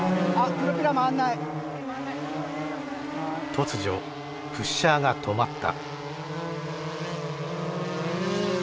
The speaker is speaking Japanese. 突如プッシャーが止まった。